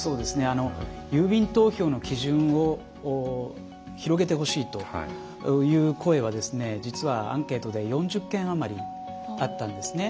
郵便投票の基準を広げてほしいという声は実は、アンケートで４０件あまりあったんですね。